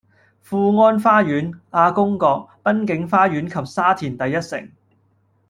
富安花園、亞公角、濱景花園及沙田第一城，